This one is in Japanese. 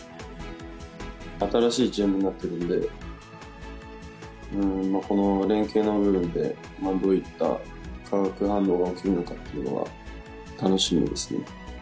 新しいチームになっているので、この連係の部分で、どういった化学反応が起きるのかというのは、楽しみですね。